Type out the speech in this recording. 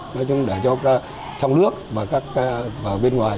nói chung để cho trong nước và bên ngoài